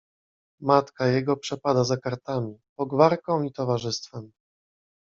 Matka jego przepada za kartami, pogwarką i towarzystwem.